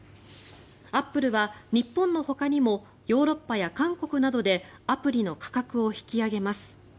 アップルは日本のほかにもヨーロッパや韓国などでアプリの価格を引き上げます。